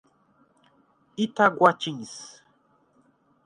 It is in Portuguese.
Itaguatins